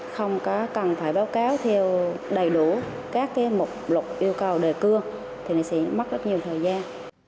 không cần phải báo cáo theo đầy đủ các mục luật yêu cầu đề cương thì sẽ mất rất nhiều thời gian